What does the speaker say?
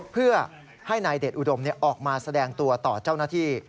เพื่อให้นายเดชอุดมออกมาแสดงตัวต่อเจ้าหน้าที่